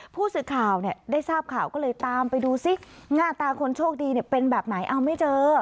ผู้สื่อข่าวได้ทราบข่าวก็เลยตามไปดูซิหน้าตาคนโชคดีเป็นแบบไหนเอาไม่เจอ